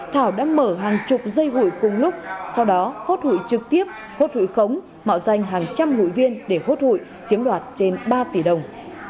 thảo đã mở hàng chục dây hủy cùng lúc sau đó hốt hủy trực tiếp hốt hủy khống mạo danh hàng trăm hội viên để hốt hủy chiếm loạt trên ba tỷ đồng